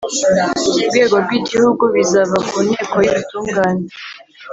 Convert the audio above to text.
rwego rw igihugu bizava ku Nteko y Ubutungane